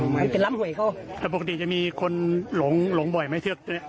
อืมแต่หลำหวยเขาแต่ปกติจะมีคนหลงหลงบ่อยไหมเทียบนะ